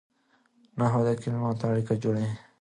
نحوه د کلیمو اړیکه جوړوي.